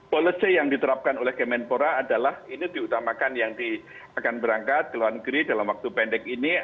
policy yang diterapkan oleh kemenpora adalah ini diutamakan yang akan berangkat ke luar negeri dalam waktu pendek ini